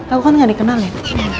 aku kan gak dikenal ya